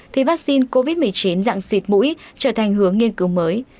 thì vaccine covid một mươi chín dạng xịt mũi trở thành hướng nghiên cứu mới